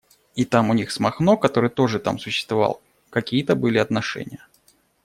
И там у них с Махно, который тоже там существовал, какие-то были отношения.